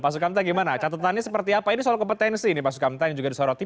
pak sukamta gimana catatannya seperti apa ini soal kompetensi nih pak sukamta yang juga disoroti